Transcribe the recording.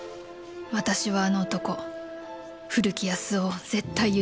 「私はあの男古木保男を絶対許しません」